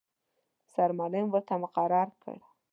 سرمعلم ورته مقرر کړ.